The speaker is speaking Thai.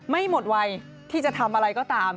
ไม่หมดวัยที่จะทำอะไรก็ตาม